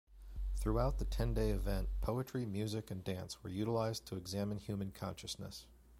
Throughout the ten-day event, poetry, music, and dance were utilized to examine human consciousness.